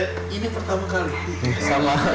ini pertama kali